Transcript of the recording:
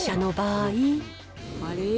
あれ？